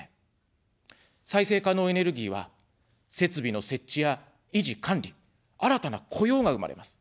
再生可能エネルギーは、設備の設置や維持管理、新たな雇用が生まれます。